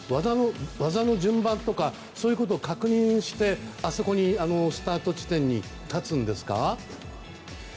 技の順番とかそういうことを確認してスタート地点に立つんですか？